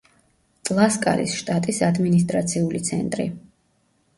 ტლასკალის შტატის ადმინისტრაციული ცენტრი.